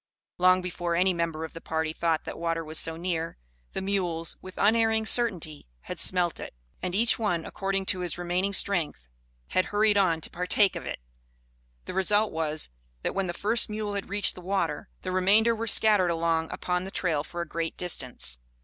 Long before any member of the party thought that water was so near, the mules, with unerring certainty, had smelt it, and each one, according to his remaining strength, had hurried on to partake of it. The result was, that when the first mule had reached the water, the remainder were scattered along upon the trail for a great distance.